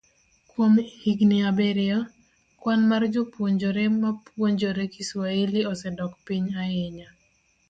Kuom higini abiriyo, kwan mar jopuonjre mapuonjore Kiswahili osedok piny ahinya